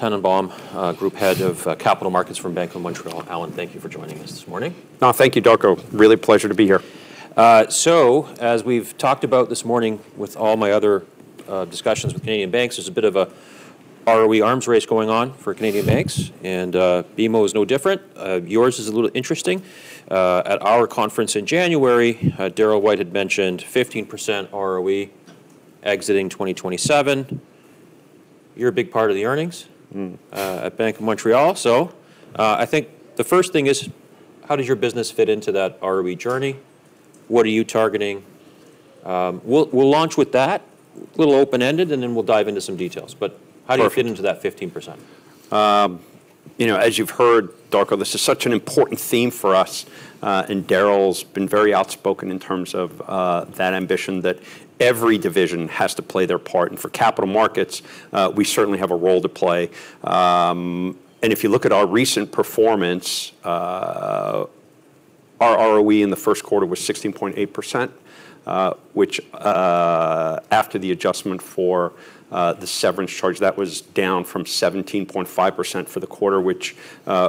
Tannenbaum, Group Head of Capital Markets from Bank of Montreal. Alan, thank you for joining us this morning. No, thank you, Darko. Really a pleasure to be here. As we've talked about this morning and in my other discussions with Canadian banks, there's a bit of a ROE arms race going on, and BMO is no different. Yours is a little interesting. At our conference in January, Darryl White had mentioned 15% ROE exiting 2027. You're a big part of the earnings— At Bank of Montreal. I think the first thing is, how does your business fit into that ROE journey? What are you targeting? We'll launch with that—little open-ended—and then we'll dive into some details. Perfect. Fit into that 15%? fit into that 15%? You know, as you've heard, Darko, this is such an important theme for us, and Darryl's been very outspoken in terms of the ambition that every division has to play its part. For capital markets, we certainly have a role to play. If you look at our recent performance, our ROE in the first quarter was 16.8%, which, after adjustment for the severance charge, was down from 17.5% for the quarter.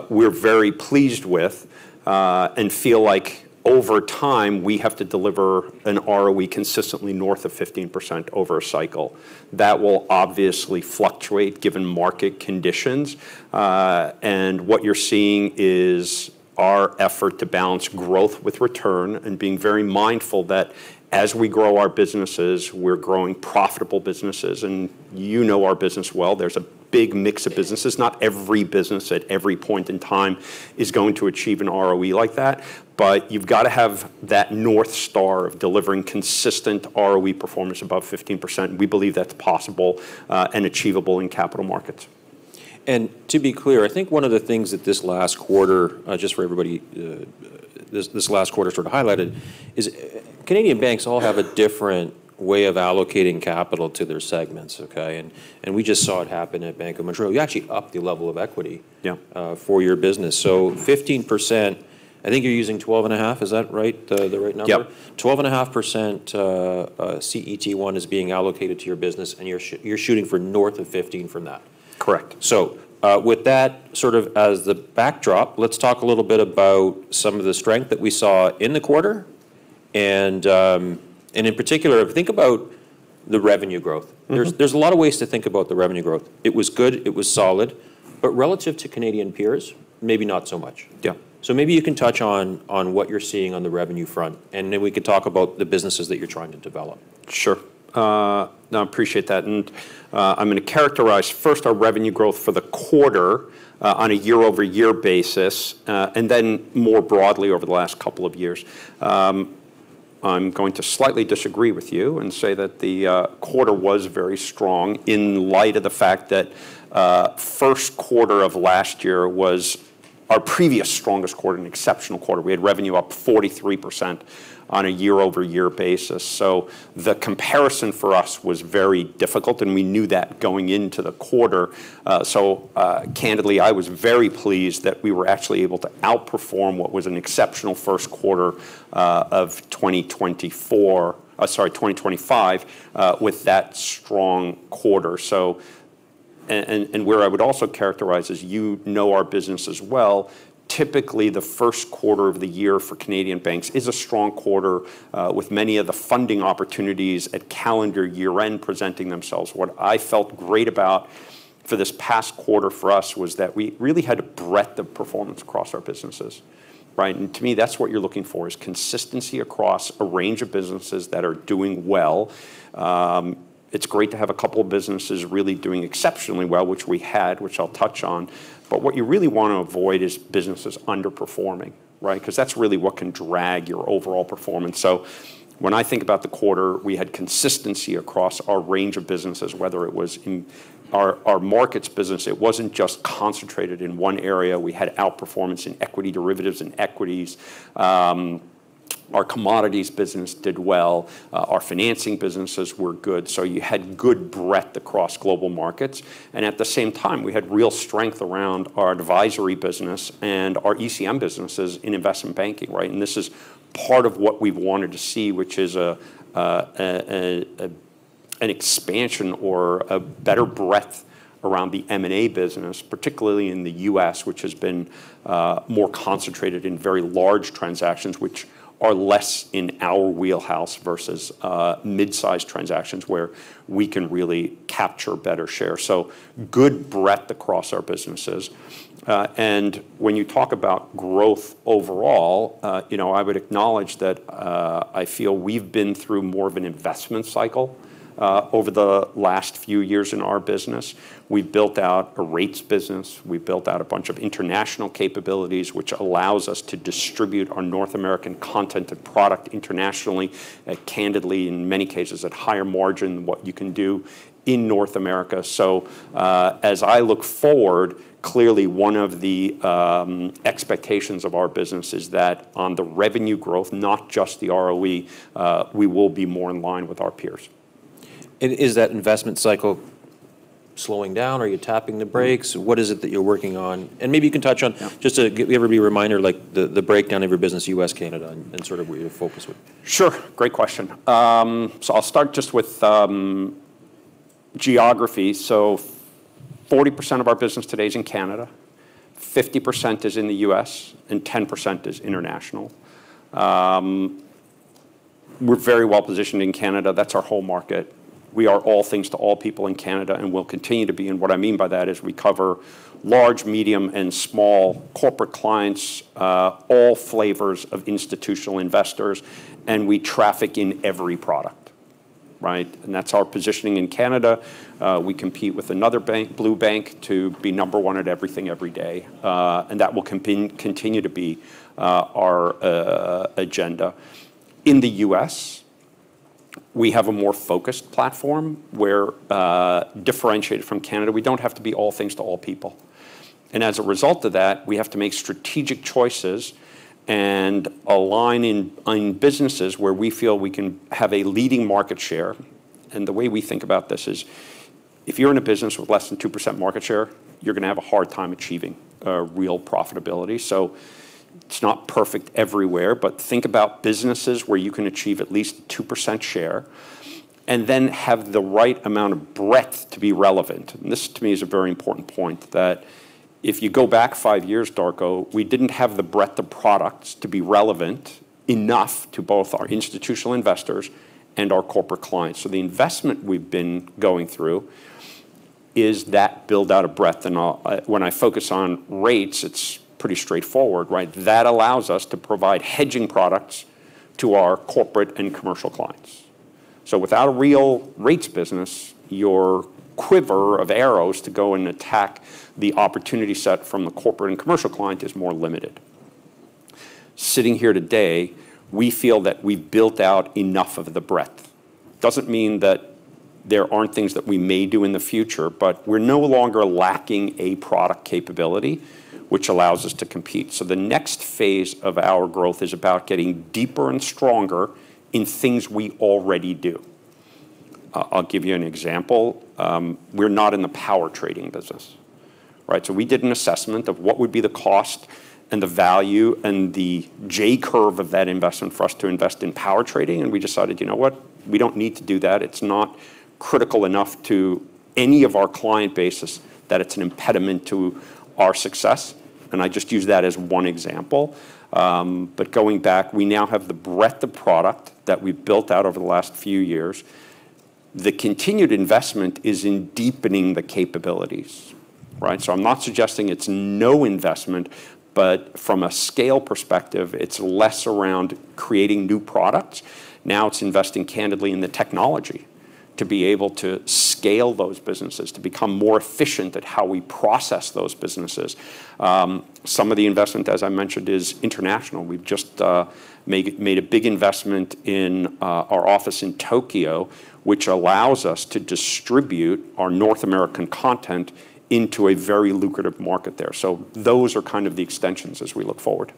We're very pleased with this and feel like over time we have to deliver an ROE consistently north of 15% over a cycle. That will obviously fluctuate given market conditions. What you're seeing is our effort to balance growth with return and being very mindful that as we grow our businesses, we're growing profitable businesses. You know our business well. There's a big mix of businesses. Not every business at every point in time is going to achieve an ROE like that, but you've got to have that North Star of delivering consistent ROE performance above 15%. We believe that's possible and achievable in capital markets. To be clear, I think one of the things that this last quarter highlighted is that Canadian banks all have a different way of allocating capital to their segments, okay? We just saw it happen at Bank of Montreal. You actually upped the level of equity for your business. 15%, I think you're using 12.5%. Is that the right number? Yeah. for your business. 15%, I think you're using 12.5%. Is that right, the right number? Yep. 12.5%, CET1 is being allocated to your business, and you're shooting for north of 15% from that. Correct. With that as the backdrop, let's talk a little bit about some of the strength that we saw in the quarter, in particular, think about the revenue growth. Mm-hmm. There's a lot of ways to think about the revenue growth. It was good, it was solid, but relative to Canadian peers, maybe not so much. Yes Maybe you can touch on what you're seeing on the revenue front, and then we can talk about the businesses that you're trying to develop. Sure. No, appreciate that. I'm gonna characterize our revenue growth for the quarter on a year-over-year basis, and then more broadly over the last couple of years. I'm going to slightly disagree with you and say that the quarter was very strong in light of the fact that the first quarter of last year was our previous strongest quarter, an exceptional quarter. We had revenue up 43% on a year-over-year basis. The comparison for us was very difficult, and we knew that going into the quarter. Candidly, I was very pleased that we were actually able to outperform what was an exceptional first quarter of 2024—sorry, 2025—with that strong quarter. Where I would also characterize, as you know our business as well, typically the first quarter of the year for Canadian banks is a strong quarter, with many of the funding opportunities at calendar year-end presenting themselves. What I felt great about for this past quarter for us was that we really had a breadth of performance across our businesses, right? To me, that's what you're looking for is consistency across a range of businesses that are doing well. It's great to have a couple of businesses really doing exceptionally well, which we had, which I'll touch on. What you really want to avoid is businesses underperforming, right? Because that's really what can drag your overall performance. When I think about the quarter, we had consistency across our range of businesses, whether it was in our markets business. It wasn't just concentrated in one area. We had outperformance in equity derivatives and equities. Our commodities business did well. Our financing businesses were good. You had good breadth across global markets. At the same time, we had real strength around our advisory business and our ECM businesses in investment banking, right? This is part of what we've wanted to see, which is an expansion or a better breadth around the M&A business, particularly in the U.S., which has been more concentrated in very large transactions, which are less in our wheelhouse versus mid-size transactions, where we can really capture better share. Good breadth across our businesses. When you talk about growth overall, you know, I would acknowledge that, I feel we've been through more of an investment cycle over the last few years in our business. We've built out a rates business. We've built out a bunch of international capabilities, which allows us to distribute our North American content and product internationally, candidly, in many cases at higher margin than what you can do in North America. As I look forward, clearly one of the expectations of our business is that on the revenue growth, not just the ROE, we will be more in line with our peers. Is that investment cycle slowing down? Are you tapping the brakes? What is it that you're working on? Maybe you can touch on— Yeah. Just to give everybody a reminder, like the breakdown of your business U.S., Canada, and sort of where your focus was. Sure. Great question. I'll start just with geography. 40% of our business today is in Canada, 50% is in the U.S., and 10% is international. We're very well-positioned in Canada. That's our home market. We are all things to all people in Canada, and we'll continue to be. What I mean by that is we cover large, medium, and small corporate clients, all flavors of institutional investors, and we traffic in every product, right? That's our positioning in Canada. We compete with another bank, blue bank, to be number one at everything every day. That will continue to be our agenda. In the U.S., we have a more focused platform. We're differentiated from Canada. We don't have to be all things to all people. As a result of that, we have to make strategic choices and align in businesses where we feel we can have a leading market share. The way we think about this is, if you're in a business with less than 2% market share, you're gonna have a hard time achieving real profitability. It's not perfect everywhere, but think about businesses where you can achieve at least 2% share, and then have the right amount of breadth to be relevant. This to me is a very important point that if you go back five years, Darko, we didn't have the breadth of products to be relevant enough to both our institutional investors and our corporate clients. The investment we've been going through is that build-out of breadth. When I focus on rates, it's pretty straightforward, right? That allows us to provide hedging products to our corporate and commercial clients. Without a real rates business, your quiver of arrows to go and attack the opportunity set from the corporate and commercial client is more limited. Sitting here today, we feel that we've built out enough of the breadth. Doesn't mean that there aren't things that we may do in the future, but we're no longer lacking a product capability, which allows us to compete. The next phase of our growth is about getting deeper and stronger in things we already do. I'll give you an example. We're not in the power trading business, right? We did an assessment of what would be the cost and the value and the J curve of that investment for us to invest in power trading, and we decided, you know what? We don't need to do that. It's not critical enough to any of our client bases that it's an impediment to our success. I just use that as one example. Going back, we now have the breadth of product that we've built out over the last few years. The continued investment is in deepening the capabilities, right? I'm not suggesting it's no investment, but from a scale perspective, it's less around creating new products. Now it's investing candidly in the technology to be able to scale those businesses, to become more efficient at how we process those businesses. Some of the investment, as I mentioned, is international. We've just made a big investment in our office in Tokyo, which allows us to distribute our North American content into a very lucrative market there. Those are kind of the extensions as we look forward.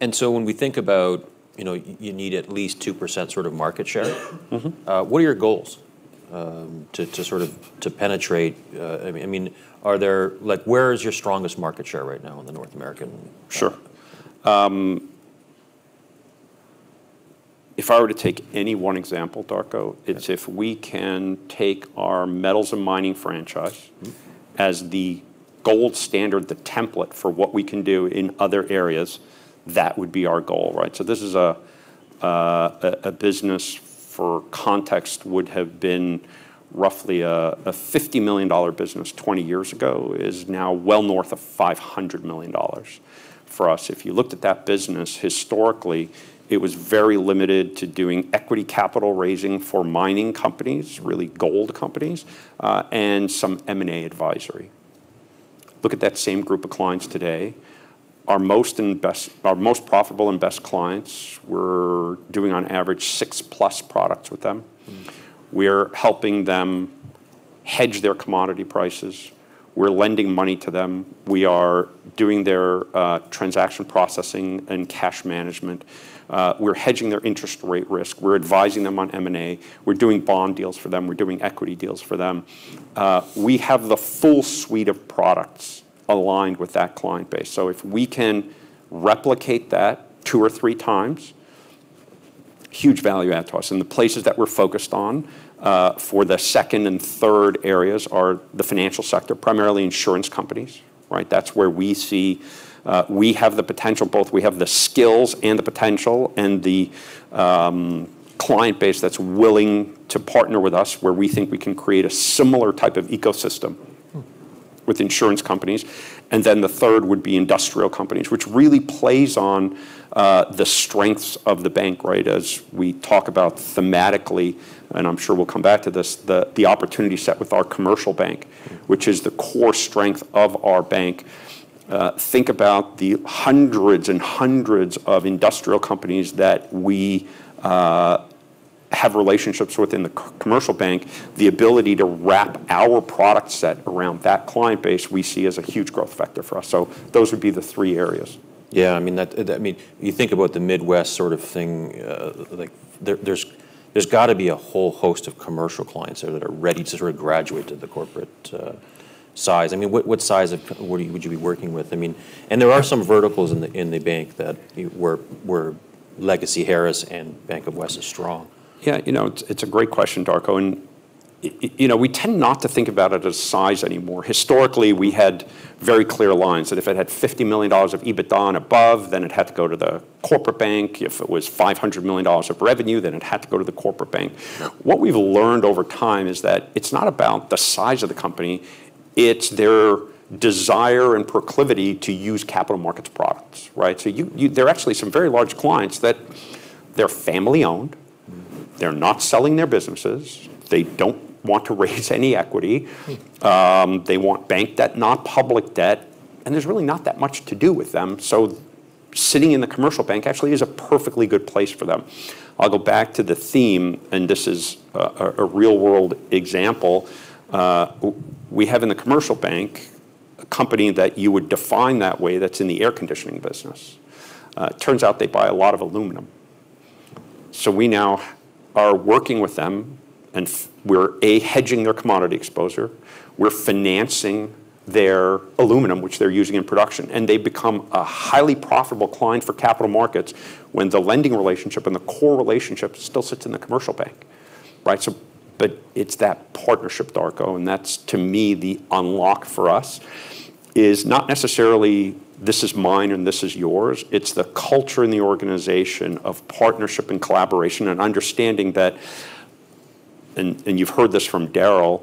When we think about, you know, you need at least 2% sort of market share. Mm-hmm What are your goals to sort of penetrate? I mean, like, where is your strongest market share right now in the North American— Sure. If I were to take any one example, Darko. Yes It's if we can take our metals and mining franchise. Mm-hmm As the gold standard, the template for what we can do in other areas, that would be our goal, right? This is a business for context would have been roughly a 50 million dollar business 20 years ago, is now well north of 500 million dollars for us. If you looked at that business historically, it was very limited to doing equity capital raising for mining companies, really gold companies, and some M&A advisory. Look at that same group of clients today, our most profitable and best clients, we're doing on average 6+ products with them. Mm-hmm. We're helping them hedge their commodity prices. We're lending money to them. We are doing their transaction processing and cash management. We're hedging their interest rate risk. We're advising them on M&A. We're doing bond deals for them. We're doing equity deals for them. We have the full suite of products aligned with that client base. If we can replicate that two or three times, huge value add to us. The places that we're focused on for the second and third areas are the financial sector, primarily insurance companies, right? That's where we see we have the potential. We have the skills and the potential and the client base that's willing to partner with us, where we think we can create a similar type of ecosystem. Mm-hmm With insurance companies. The third would be industrial companies, which really plays on the strengths of the bank, right, as we talk about thematically, and I'm sure we'll come back to this, the opportunity set with our commercial bank. Mm-hmm Which is the core strength of our bank. Think about the hundreds and hundreds of industrial companies that we have relationships with in the commercial bank. The ability to wrap our product set around that client base, we see as a huge growth factor for us. Those would be the three areas. Yeah, I mean, that. I mean, you think about the Midwest sort of thing, like, there's gotta be a whole host of commercial clients there that are ready to sort of graduate to the corporate size. I mean, what size would you be working with? I mean. There are some verticals in the bank that were legacy Harris Bank and Bank of the West is strong. Yeah, you know, it's a great question, Darko, and you know, we tend not to think about it as size anymore. Historically, we had very clear lines that if it had 50 million dollars of EBITDA and above, then it had to go to the corporate bank. If it was 500 million dollars of revenue, then it had to go to the corporate bank. What we've learned over time is that it's not about the size of the company, it's their desire and proclivity to use capital markets products, right? There are actually some very large clients that they're family-owned, they're not selling their businesses, they don't want to raise any equity, they want bank debt, not public debt, and there's really not that much to do with them. Sitting in the commercial bank actually is a perfectly good place for them. I'll go back to the theme, and this is a real world example. We have in the commercial bank a company that you would define that way that's in the air conditioning business. It turns out they buy a lot of aluminum. We now are working with them, and we're hedging their commodity exposure. We're financing their aluminum, which they're using in production, and they become a highly profitable client for capital markets when the lending relationship and the core relationship still sits in the commercial bank, right? It's that partnership, Darko, and that's, to me, the unlock for us, is not necessarily this is mine and this is yours. It's the culture in the organization of partnership and collaboration and understanding that, and you've heard this from Darryl,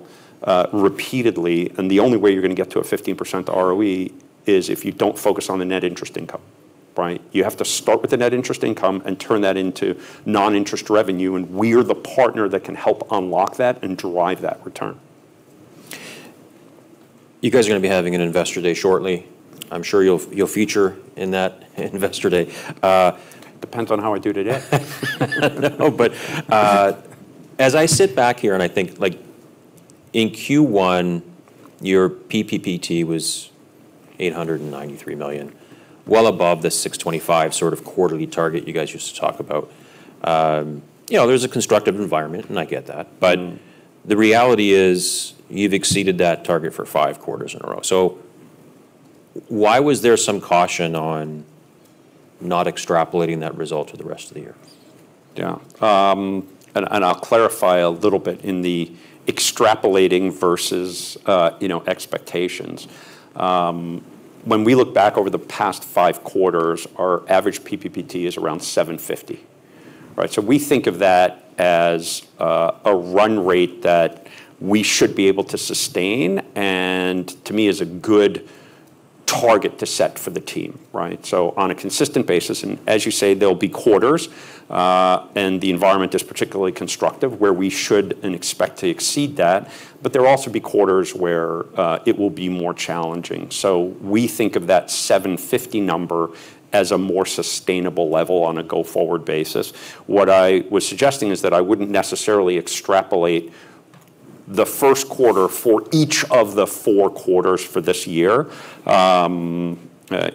repeatedly, and the only way you're gonna get to a 15% ROE is if you don't focus on the net interest income, right? You have to start with the net interest income and turn that into non-interest revenue, and we're the partner that can help unlock that and drive that return. You guys are gonna be having an investor day shortly. I'm sure you'll feature in that investor day. Depends on how I do today. No, as I sit back here and I think, like, in Q1, your PPPT was 893 million, well above the 625 million sort of quarterly target you guys used to talk about. You know, there's a constructive environment, and I get that. The reality is you've exceeded that target for five quarters in a row. Why was there some caution on not extrapolating that result for the rest of the year? Yeah. I'll clarify a little bit in the extrapolating versus, you know, expectations. When we look back over the past 5 quarters, our average PPPT is around 750, right? We think of that as a run rate that we should be able to sustain, and to me, is a good target to set for the team, right? On a consistent basis, and as you say, there'll be quarters, and the environment is particularly constructive, where we should and expect to exceed that, but there'll also be quarters where it will be more challenging. We think of that 750 number as a more sustainable level on a go-forward basis. What I was suggesting is that I wouldn't necessarily extrapolate the first quarter for each of the 4 quarters for this year.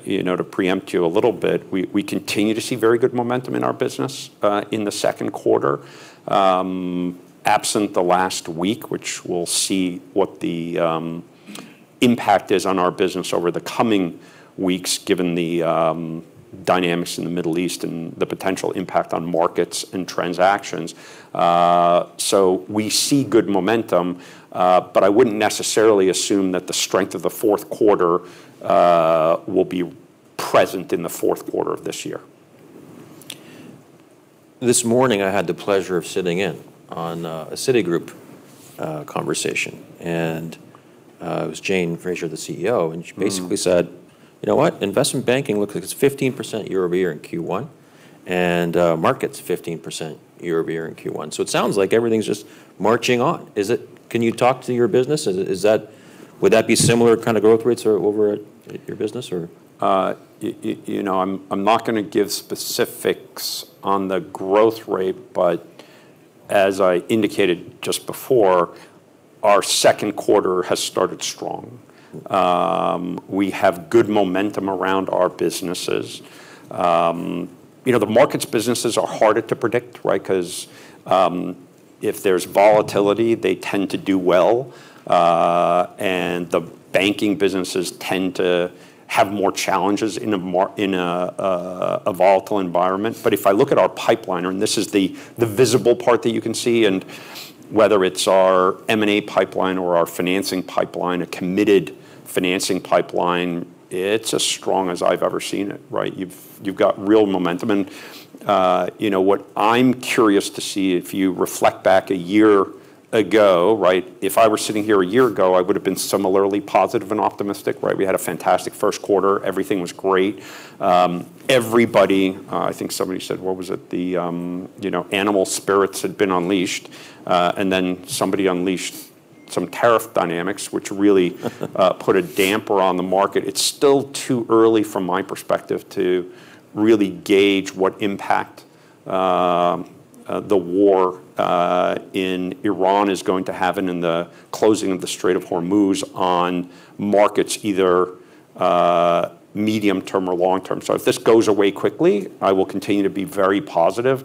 You know, to preempt you a little bit, we continue to see very good momentum in our business in the second quarter, absent the last week, which we'll see what the impact is on our business over the coming weeks, given the dynamics in the Middle East and the potential impact on markets and transactions. So we see good momentum, but I wouldn't necessarily assume that the strength of the fourth quarter will be present in the fourth quarter of this year. This morning, I had the pleasure of sitting in on a Citigroup conversation, and it was Jane Fraser, the CEO, and she basically said, "You know what? Investment banking looks like it's 15% year-over-year in Q1, and markets 15% year-over-year in Q1." It sounds like everything's just marching on. Can you talk to your business? Would that be similar kind of growth rates or over at your business or? You know, I'm not gonna give specifics on the growth rate, but as I indicated just before, our second quarter has started strong. We have good momentum around our businesses. You know, the markets businesses are harder to predict, right? Because if there's volatility, they tend to do well, and the banking businesses tend to have more challenges in a volatile environment. But if I look at our pipeline, and this is the visible part that you can see, and whether it's our M&A pipeline or our financing pipeline, a committed financing pipeline, it's as strong as I've ever seen it, right? You've got real momentum. You know what? I'm curious to see if you reflect back a year ago, right? If I were sitting here a year ago, I would have been similarly positive and optimistic, right? We had a fantastic first quarter. Everything was great. Everybody, I think somebody said, what was it? You know, animal spirits had been unleashed, and then somebody unleashed some tariff dynamics, which really put a damper on the market. It's still too early from my perspective to really gauge what impact the war in Iran is going to have and in the closing of the Strait of Hormuz on markets either, medium-term or long-term. If this goes away quickly, I will continue to be very positive.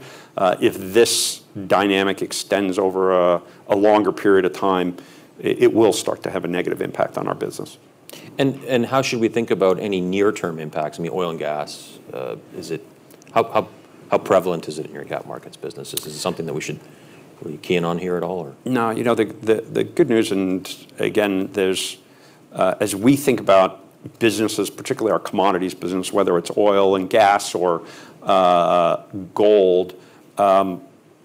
If this dynamic extends over a longer period of time, it will start to have a negative impact on our business. How should we think about any near-term impacts? I mean, oil and gas, how prevalent is it in your cap markets business? Is this something that we should be keying on here at all or? No. You know, the good news. As we think about businesses, particularly our commodities business, whether it's oil and gas or gold,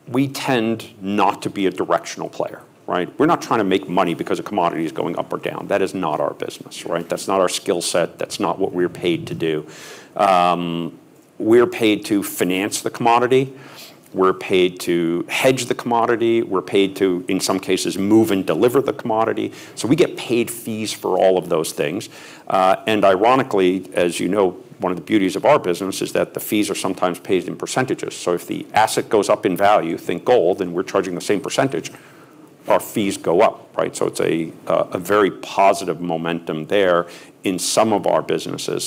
we tend not to be a directional player, right? We're not trying to make money because a commodity is going up or down. That is not our business, right? That's not our skill set. That's not what we're paid to do. We're paid to finance the commodity. We're paid to hedge the commodity. We're paid to, in some cases, move and deliver the commodity. We get paid fees for all of those things. Ironically, as you know, one of the beauties of our business is that the fees are sometimes paid in percentages. If the asset goes up in value, think gold, and we're charging the same percentage, our fees go up, right? It's a very positive momentum there in some of our businesses.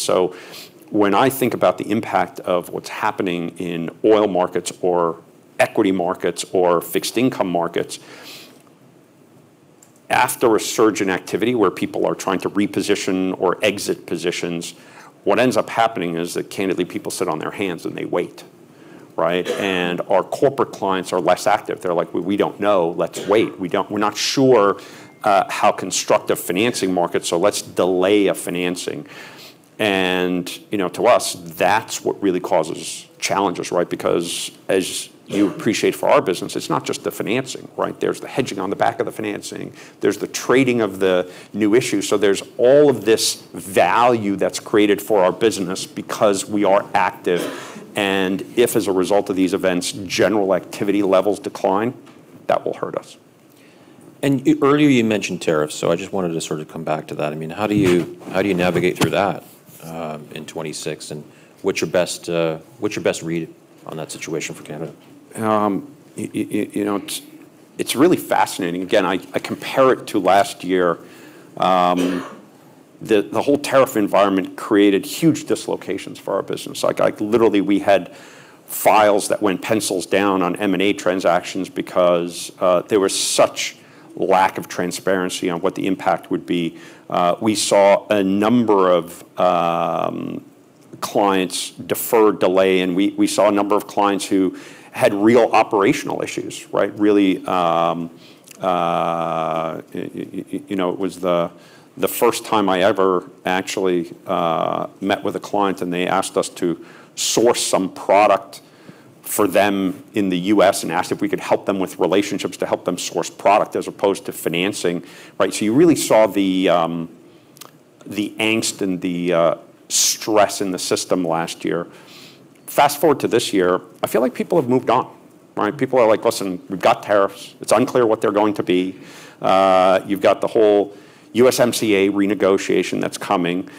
When I think about the impact of what's happening in oil markets or equity markets or fixed-income markets, after a surge in activity where people are trying to reposition or exit positions, what ends up happening is that candidly people sit on their hands and they wait, right? Our corporate clients are less active. They're like, "We don't know. Let's wait. We're not sure how constructive financing markets, so let's delay a financing." You know, to us, that's what really causes challenges, right? Because as you appreciate for our business, it's not just the financing, right? There's the hedging on the back of the financing. There's the trading of the new issue. There's all of this value that's created for our business because we are active, and if, as a result of these events, general activity levels decline, that will hurt us. Earlier you mentioned tariffs, so I just wanted to sort of come back to that. I mean, how do you navigate through that in 2026, and what's your best read on that situation for Canada? You know, it's really fascinating. Again, I compare it to last year. The whole tariff environment created huge dislocations for our business. Like literally we had files that went pencils down on M&A transactions because there was such lack of transparency on what the impact would be. We saw a number of clients defer, delay, and we saw a number of clients who had real operational issues, right? You know, it was the first time I ever actually met with a client and they asked us to source some product for them in the U.S. and asked if we could help them with relationships to help them source product as opposed to financing, right? You really saw the angst and the stress in the system last year. Fast-forward to this year, I feel like people have moved on, right? People are like, "Listen, we've got tariffs. It's unclear what they're going to be. You've got the whole USMCA renegotiation that's coming,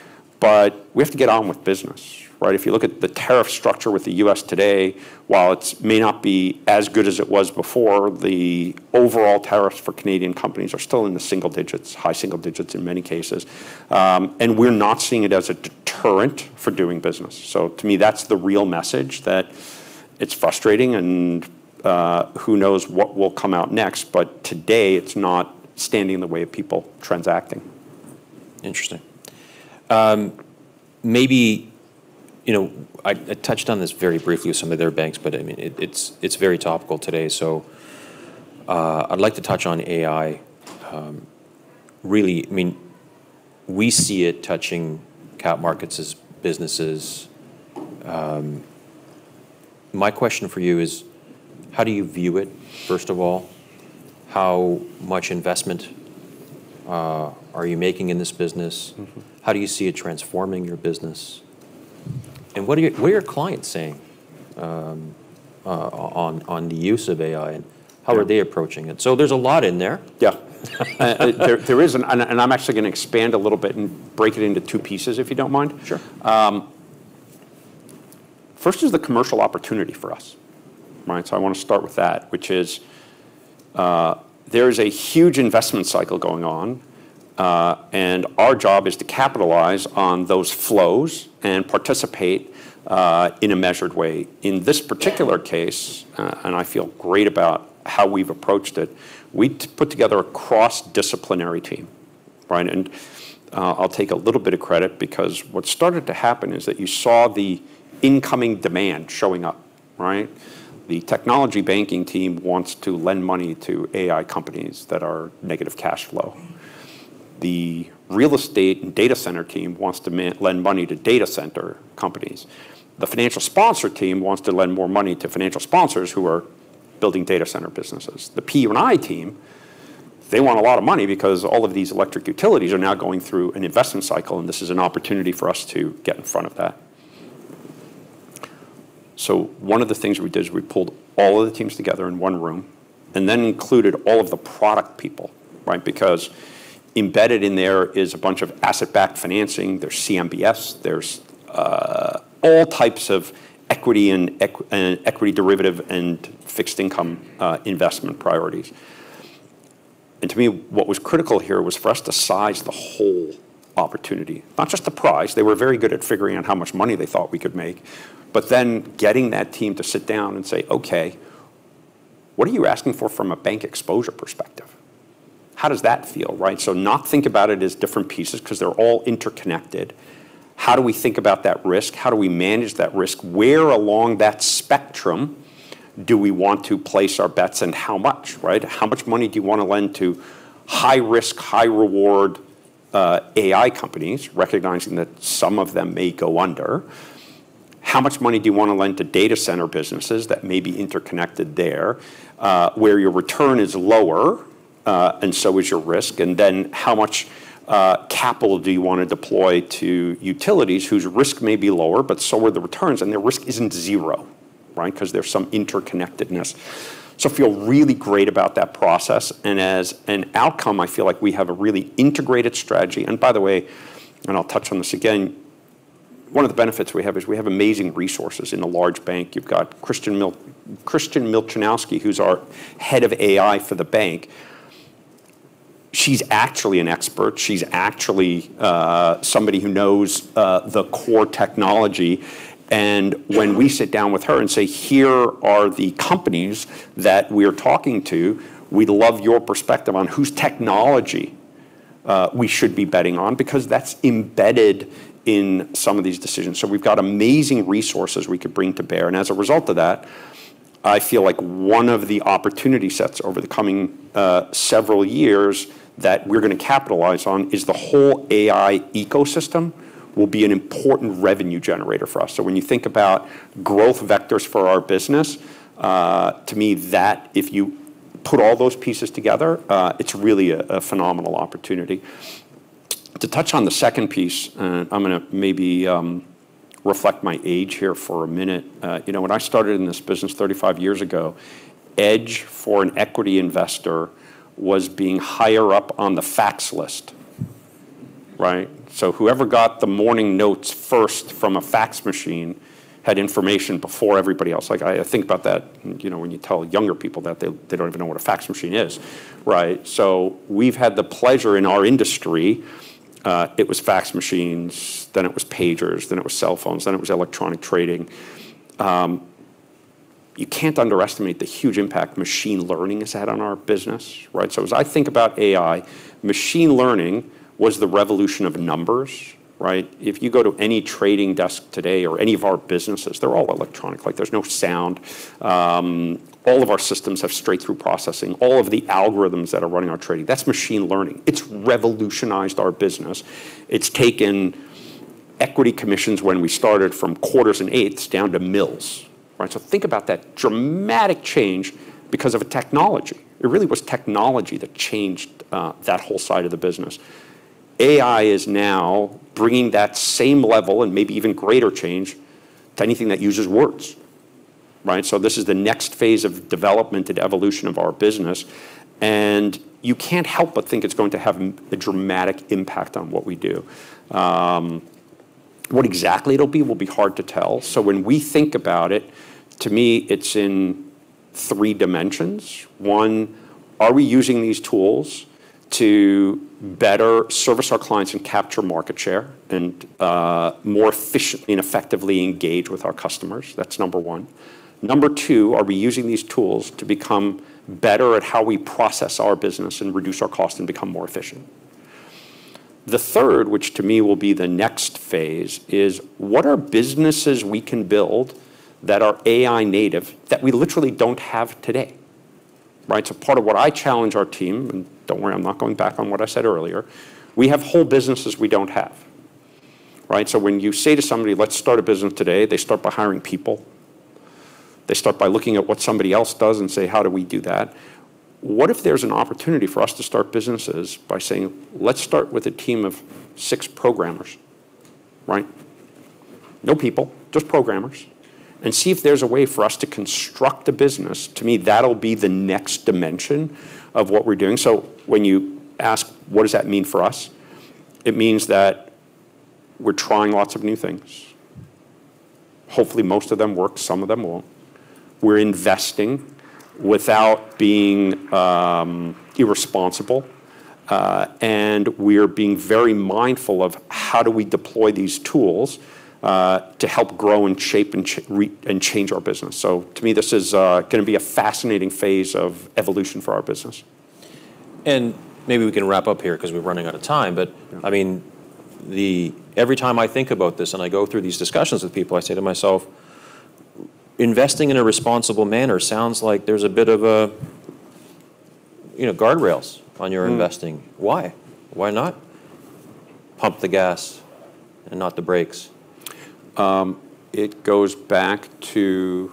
but we have to get on with business," right? If you look at the tariff structure with the U.S. today, while it may not be as good as it was before, the overall tariffs for Canadian companies are still in the single digits, high single digits in many cases. And we're not seeing it as a deterrent for doing business. To me, that's the real message, that it's frustrating and, who knows what will come out next. Today, it's not standing in the way of people transacting. Interesting. You know, I touched on this very briefly with some of the other banks, but I mean, it's very topical today. I'd like to touch on AI. Really, I mean, we see it touching cap markets as businesses. My question for you is: How do you view it, first of all? How much investment are you making in this business? Mm-hmm. How do you see it transforming your business? What are your clients saying on the use of AI? Yeah. How are they approaching it? There's a lot in there. Yeah. There is, and I'm actually gonna expand a little bit and break it into two pieces if you don't mind. Sure. First is the commercial opportunity for us, right? I wanna start with that, which is, there is a huge investment cycle going on, and our job is to capitalize on those flows and participate, in a measured way. In this particular case, I feel great about how we've approached it, we put together a cross-disciplinary team, right? I'll take a little bit of credit because what started to happen is that you saw the incoming demand showing up, right? The technology banking team wants to lend money to AI companies that are negative cash flow. The real estate and data center team wants to lend money to data center companies. The financial sponsor team wants to lend more money to financial sponsors who are building data center businesses. The P&U team, they want a lot of money because all of these electric utilities are now going through an investment cycle, and this is an opportunity for us to get in front of that. One of the things we did is we pulled all of the teams together in one room and then included all of the product people, right? Because embedded in there is a bunch of asset-backed financing. There's CMBS. There's all types of equity and equity derivative and fixed income investment priorities. To me, what was critical here was for us to size the whole opportunity, not just the prize. They were very good at figuring out how much money they thought we could make. Then getting that team to sit down and say, "Okay, what are you asking for from a bank exposure perspective? How does that feel, right? Don't think about it as different pieces, 'cause they're all interconnected. How do we think about that risk? How do we manage that risk? Where along that spectrum do we want to place our bets, and how much, right? How much money do you wanna lend to high-risk, high-reward AI companies, recognizing that some of them may go under? How much money do you wanna lend to data center businesses that may be interconnected there, where your return is lower, and so is your risk? Then how much capital do you wanna deploy to utilities whose risk may be lower, but so are the returns, and their risk isn't zero, right, 'cause there's some interconnectedness. I feel really great about that process, and as an outcome, I feel like we have a really integrated strategy. By the way, and I'll touch on this again, one of the benefits we have is we have amazing resources in a large bank. You've got Kristin Milchanowski, who's our head of AI for the bank. She's actually an expert. She's actually somebody who knows the core technology. When we sit down with her and say, "Here are the companies that we're talking to, we'd love your perspective on whose technology we should be betting on," because that's embedded in some of these decisions. We've got amazing resources we could bring to bear. As a result of that, I feel like one of the opportunity sets over the coming several years that we're gonna capitalize on is the whole AI ecosystem will be an important revenue generator for us. When you think about growth vectors for our business, to me that, if you put all those pieces together, it's really a phenomenal opportunity. To touch on the second piece, I'm gonna maybe reflect my age here for a minute. You know, when I started in this business 35 years ago, edge for an equity investor was being higher up on the fax list, right? Whoever got the morning notes first from a fax machine had information before everybody else. Like I think about that, you know, when you tell younger people that, they don't even know what a fax machine is, right? We've had the pleasure in our industry, it was fax machines, then it was pagers, then it was cell phones, then it was electronic trading. You can't underestimate the huge impact machine learning has had on our business, right? As I think about AI, machine learning was the revolution of numbers, right? If you go to any trading desk today, or any of our businesses, they're all electronic. Like, there's no sound. All of our systems have straight-through processing. All of the algorithms that are running our trading. That's machine learning. It's revolutionized our business. It's taken equity commissions when we started from quarters and eighths down to mils, right? Think about that dramatic change because of a technology. It really was technology that changed, that whole side of the business. AI is now bringing that same level, and maybe even greater change, to anything that uses words, right? This is the next phase of development and evolution of our business, and you can't help but think it's going to have a dramatic impact on what we do. What exactly it'll be will be hard to tell. When we think about it, to me it's in three dimensions. One, are we using these tools to better service our clients and capture market share and more efficiently and effectively engage with our customers? That's number one. Number two, are we using these tools to become better at how we process our business and reduce our cost and become more efficient? The third, which to me will be the next phase, is what are businesses we can build that are AI native that we literally don't have today? Right? Part of what I challenge our team, and don't worry, I'm not going back on what I said earlier, we have whole businesses we don't have, right? When you say to somebody, "Let's start a business today," they start by hiring people. They start by looking at what somebody else does and say, "How do we do that?" What if there's an opportunity for us to start businesses by saying, "Let's start with a team of six programmers," right? No people, just programmers, and see if there's a way for us to construct a business. To me, that'll be the next dimension of what we're doing. When you ask, what does that mean for us, it means that we're trying lots of new things. Hopefully most of them work, some of them won't. We're investing without being irresponsible. We're being very mindful of how do we deploy these tools to help grow and shape and change our business? To me, this is gonna be a fascinating phase of evolution for our business. Maybe we can wrap up here, 'cause we're running out of time. Yeah I mean, every time I think about this and I go through these discussions with people, I say to myself, investing in a responsible manner sounds like there's a bit of a, you know, guardrails on your investing. Mm. Why? Why not pump the gas and not the brakes? It goes back to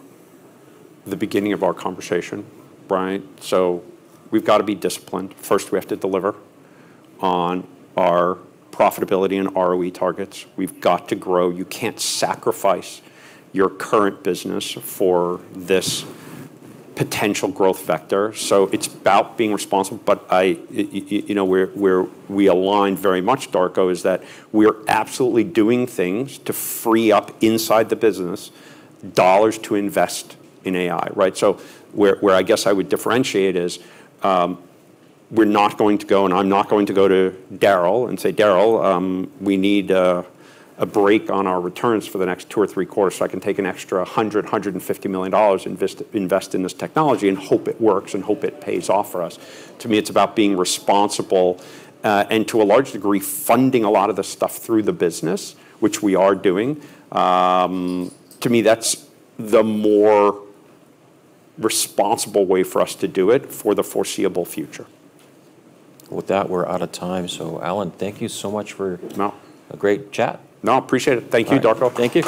the beginning of our conversation, Darko. We've got to be disciplined. First, we have to deliver on our profitability and ROE targets. We've got to grow. You can't sacrifice your current business for this potential growth vector. It's about being responsible, but I, you know, where we align very much, Darko, is that we're absolutely doing things to free up inside the business dollars to invest in AI, right? I guess I would differentiate is, we're not going to go, and I'm not going to go to Darryl and say, "Darryl, we need a break on our returns for the next two or three quarters so I can take an extra $100-$150 million invest in this technology and hope it works and hope it pays off for us." To me, it's about being responsible, and to a large degree, funding a lot of the stuff through the business, which we are doing. To me, that's the more responsible way for us to do it for the foreseeable future. With that, we're out of time, so Alan, thank you so much for. No a great chat. No, appreciate it. Thank you, Darko. Thank you.